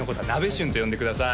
シュンと呼んでください